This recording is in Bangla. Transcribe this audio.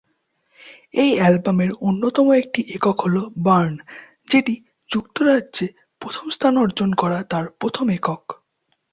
এই অ্যালবামের অন্যতম একটি একক হলো "বার্ন", যেটি যুক্তরাজ্যে প্রথম স্থান অর্জন করা তার প্রথম একক।